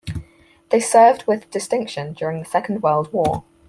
They served with distinction during the Second World War.